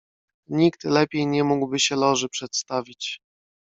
"Nikt lepiej nie mógłby się Loży przedstawić."